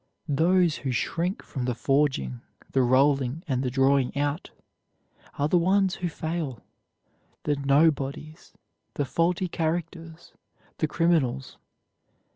Those who shrink from the forging, the rolling, and the drawing out, are the ones who fail, the "nobodies," the faulty characters, the criminals.